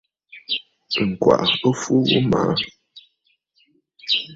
Ŋ̀gwàʼà ɨ fu ghu maʼà.